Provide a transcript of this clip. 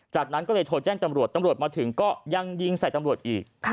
จากนั้นก็เลยโทรแจ้งตำรวจตำรวจมาถึงก็ยังยิงใส่ตำรวจอีก